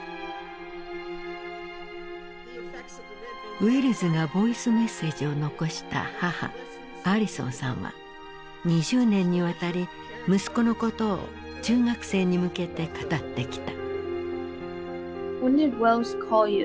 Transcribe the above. ウェルズがボイスメッセージを残した母アリソンさんは２０年にわたり息子のことを中学生に向けて語ってきた。